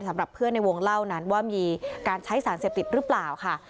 สำหรับเพื่อนในวงเล่านั้นว่ามีการใช้สารเสพติดหรือเปล่าค่ะ